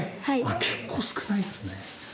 結構少ないですね。